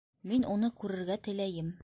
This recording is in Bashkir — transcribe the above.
Мин уны күрергә теләйем!